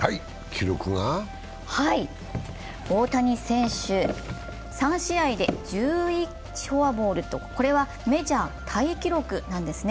大谷選手、３試合で１１フォアボールとこれはメジャータイ記録なんですね。